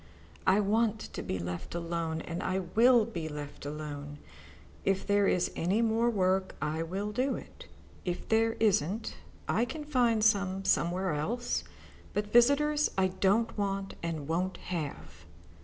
I want to be left alone, and I will be left alone. If there is any more work, I will do it. If there isn't, I can find some somewhere else. But visitors I don't want and won't have."